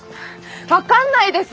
分かんないです！